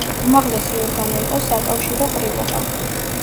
უმაღლესი ორგანო იყო საკავშირო ყრილობა.